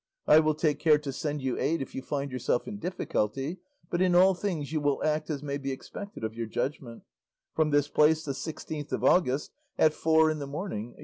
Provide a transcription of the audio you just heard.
I will take care to send you aid if you find yourself in difficulty, but in all things you will act as may be expected of your judgment. From this place, the Sixteenth of August, at four in the morning.